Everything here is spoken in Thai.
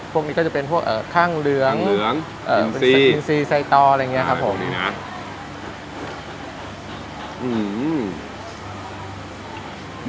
พวกนี้ก็จะเป็นพวกเอ่อข้างเหลืองข้างเหลืองเอ่อเอ่ออะไรอย่างเงี้ยครับผมอ่าดูนี่น่ะ